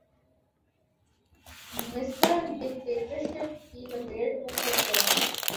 مصر ڈکٹیٹرشپ کی لپیٹ میں پھر سے ہے۔